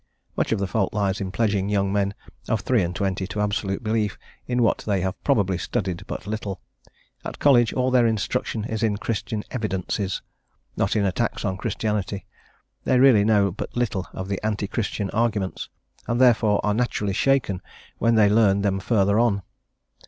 Much of the fault lies in pledging young men of three and twenty to absolute belief in what they have probably studied but little; at college all their instruction is in Christian Evidences, not in attacks on Christianity; they really know but little of the anti Christian arguments, and therefore are naturally shaken when they learn them further on.